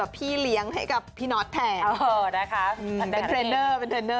น่ารักจริงครอบครัวนี้